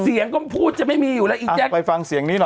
เสียงก็พูดจะไม่มีอยู่ละอีแจ๊ก